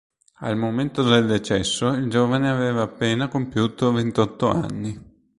Al momento del decesso il giovane aveva appena compiuto ventotto anni.